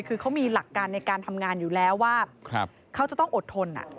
คือเขามีหลักการในการทำงานอยู่แล้วว่าเขาจะต้องอดทน